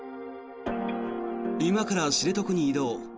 今から知床に移動。